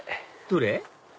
どれ？